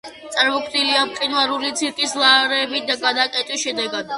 წარმოქმნილია მყინვარული ცირკის ლავებით გადაკეტვის შედეგად.